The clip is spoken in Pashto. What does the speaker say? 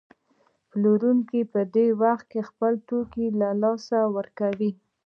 پلورونکی په دې وخت کې خپل توکي له لاسه ورکوي